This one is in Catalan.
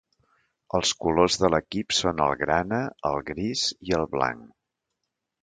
Els colors de l'equip són el grana, el gris i el blanc.